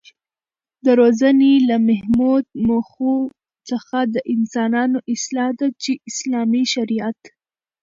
د روزنې له مهمو موخو څخه د انسانانو اصلاح ده چې اسلامي شريعت